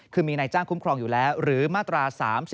คือมีนายจ้างคุ้มครองอยู่แล้วหรือมาตรา๓๔